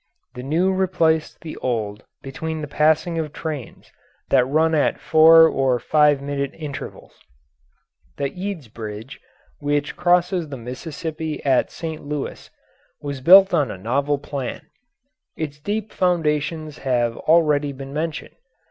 The new replaced the old between the passing of trains that run at four or five minute intervals. The Eads Bridge, which crosses the Mississippi at St. Louis, was built on a novel plan. Its deep foundations have already been mentioned.